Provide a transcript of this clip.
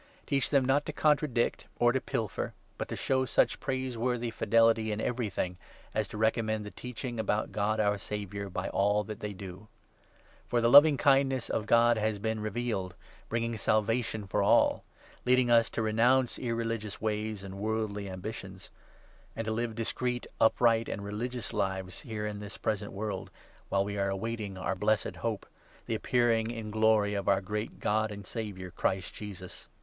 Teach them not to contradict or to pilfer, but to show such 10 praiseworthy fidelity in everything, as to recommend the teaching about God our Saviour by all that they do. For the loving kindness of God has been re n The inspiring vealed, bringing Salvation for all ; leading us to 12 ve> renounce irreligious ways and worldly ambitions, and to live discreet, upright, and religious lives here in this present world, while we are awaiting our Blessed Hope — the 13 Appearing in glory of our great God and Saviour, Christ Jesus.